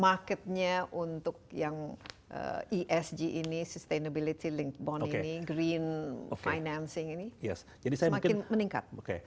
marketnya untuk yang esg ini sustainability link bond ini green financing ini semakin meningkat